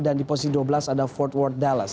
dan di posisi dua belas ada fort worth dallas